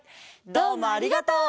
どうもありがとう。